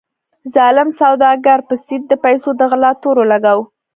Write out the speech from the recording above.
ظالم سوداګر په سید د پیسو د غلا تور ولګاوه.